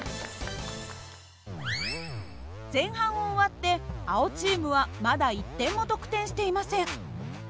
前半を終わって青チームはまだ１点も得点していません。